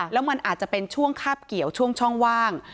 แล้วมันอาจจะเป็นช่วงคาบเกี่ยวช่วงช่องว่าง